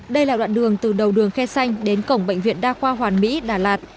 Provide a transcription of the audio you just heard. đây là đoạn đường từ đầu đường khe xanh đến cổng bệnh viện đa khoa hoàn mỹ đà lạt